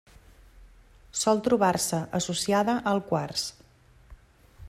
Sol trobar-se associada al quars.